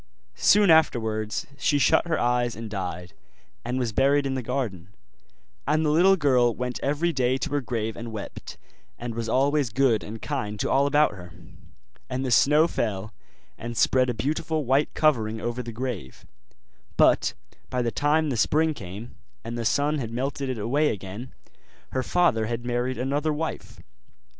Soon afterwards she shut her eyes and died, and was buried in the garden; and the little girl went every day to her grave and wept, and was always good and kind to all about her. And the snow fell and spread a beautiful white covering over the grave; but by the time the spring came, and the sun had melted it away again, her father had married another wife.